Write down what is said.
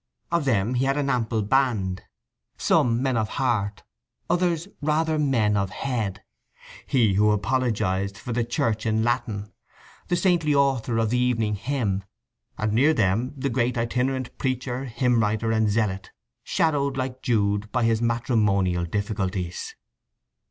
Of them he had an ample band—some men of heart, others rather men of head; he who apologized for the Church in Latin; the saintly author of the Evening Hymn; and near them the great itinerant preacher, hymn writer, and zealot, shadowed like Jude by his matrimonial difficulties.